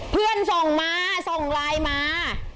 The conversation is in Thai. เพื่อนส่งมาส่งไลน์มา